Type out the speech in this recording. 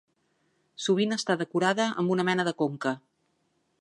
Sovint està decorada amb una mena de conca.